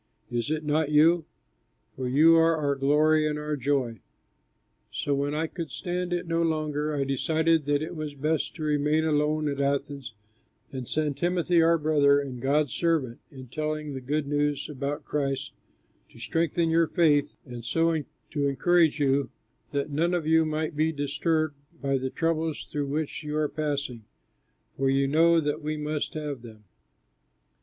Is it not you? For you are our glory and our joy! So when I could stand it no longer, I decided that it was best to remain alone at Athens and send Timothy, our brother and God's servant in telling the good news about Christ, to strengthen your faith and so to encourage you that none of you might be disturbed by the troubles through which you are passing, for you know that we must have them.